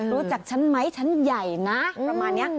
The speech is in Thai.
รู้จักฉันไหมฉันใหญ่นะประมาณนี้